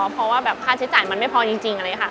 เพราะว่าค่าใช้จ่ายมันไม่พอจริง